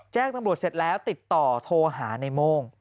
แจ้งตำรวจเสร็จแล้วติดต่อโทรหาในโม่ง